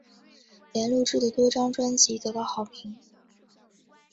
莲录制的多张专辑得到好评。